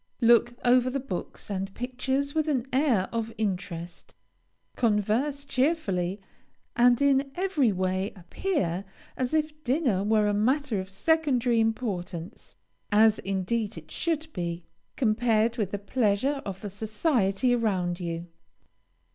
Look over the books and pictures with an air of interest, converse cheerfully, and in every way appear as if dinner were a matter of secondary importance, (as, indeed, it should be,) compared with the pleasure of the society around you.